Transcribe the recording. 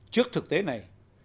trước thực tế này